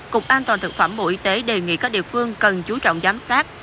cục an toàn thực phẩm bộ y tế đề nghị các địa phương cần chú trọng giám sát